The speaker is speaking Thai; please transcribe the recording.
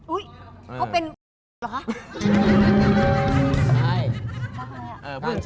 อุ๊ยเขาเป็นหรอ